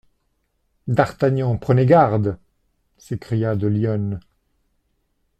D'Artagnan, prenez garde ! s'écria de Lyonne.